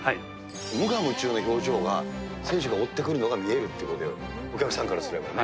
無我夢中の表情が、選手が追ってくるのが見えるってことよ、お客さんからすればね。